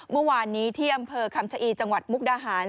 เมื่อวานนี้ที่อำเภอคำชะอีจังหวัดมุกดาหาร